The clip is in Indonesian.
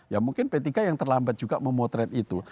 ya mungkin p tiga yang terlambat juga memotret itu